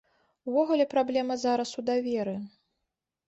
Увогуле праблема зараз у даверы.